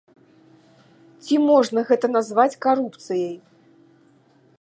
Ці можна гэта назваць карупцыяй?